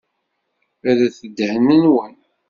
Rret ddhen-nwen.